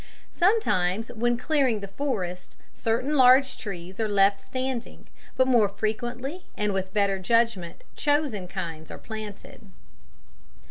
Sometimes when clearing the forest certain large trees are left standing, but more frequently and with better judgment, chosen kinds are planted.